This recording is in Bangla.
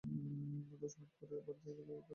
দশ মিনিট পরেই আমাদের গাড়ির তেল শেষ হয়ে গেল।